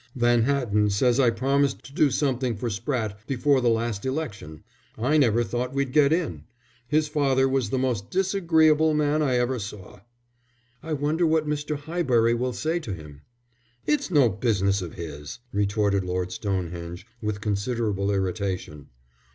"Vanhatton says I promised to do something for Spratte before the last election. I never thought we'd get in. His father was the most disagreeable man I ever saw." "I wonder what Mr. Highbury will say to him." "It's no business of his," retorted Lord Stonehenge, with considerable irritation.